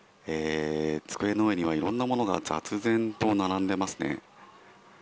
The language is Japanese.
机の上には、いろんなものが雑然と並んでいますね。